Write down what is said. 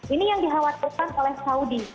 ini yang dikhawatirkan oleh saudi